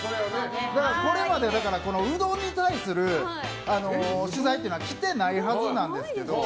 だから、これまでうどんに対する取材というのは来てないはずなんですけど。